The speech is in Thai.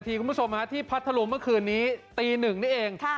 สวัสดีคุณผู้ชมที่พัดทะลุงเมื่อคืนนี้ตีหนึ่งนี่เอง